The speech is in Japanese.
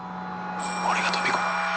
俺が飛び込む。